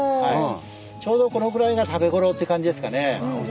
ちょうどこのぐらいが食べ頃って感じですかね。